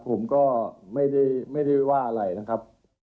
ผมก็ไม่ได้ว่าอะไรนะครับ